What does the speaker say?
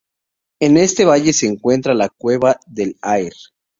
En este Valle se encuentra la Cueva del Aer.